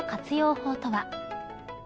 法とは。